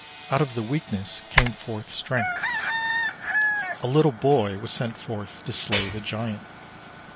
Out of the weakness came forth strength; a little boy was sent forth to slay the giant.